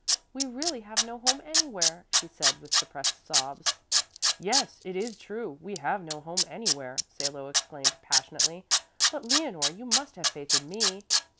We really have no home anywhere," she said with suppressed sobs. "Yes, it is true; we have no home anywhere," Salo exclaimed passionately. "But, Leonore, you must have faith in me!"